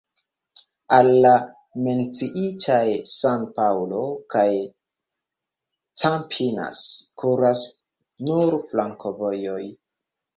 Al la menciitaj San-Paŭlo kaj Campinas kuras nur flankovojoj.